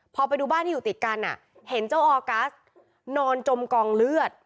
พอไปดูบ้านที่อยู่ติดกันเห็นเจ้าออกัสนอนจมกองเลือด